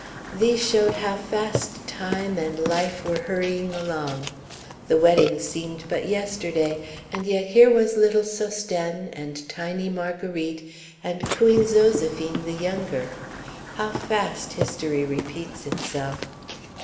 These showed how fast time and life were hurrying along. The wedding seemed but yesterday, and yet here was little Sosthène, and tiny Marguerite, and cooing Zoséphine the younger how fast history repeats itself!